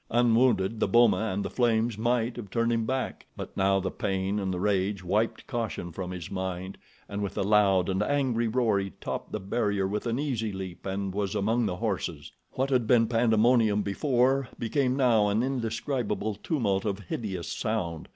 Unwounded, the boma and the flames might have turned him back; but now the pain and the rage wiped caution from his mind, and with a loud, and angry roar he topped the barrier with an easy leap and was among the horses. What had been pandemonium before became now an indescribable tumult of hideous sound.